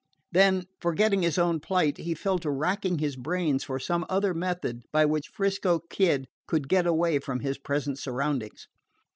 Then, forgetting his own plight, he fell to racking his brains for some other method by which 'Frisco Kid could get away from his present surroundings.